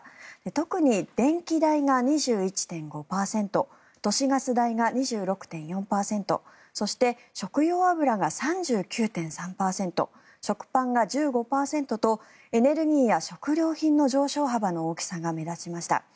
特に電気代が２１．５％都市ガス代が２６．４％そして、食用油が３９．３％食パンが１５％とエネルギーや食料品の上昇幅の大きさが目立ちました。